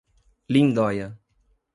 Lindóia